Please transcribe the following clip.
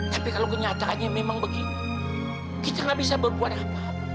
tapi kalau kenyataannya memang begini kita gak bisa berbuat apa apa